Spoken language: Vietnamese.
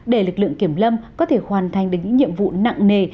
để lực lượng kiểm lâm có thể hoàn thành được những nhiệm vụ nặng nề